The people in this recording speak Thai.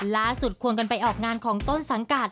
ล่าสุดควรควรไปออกงานของต้นสังกราศ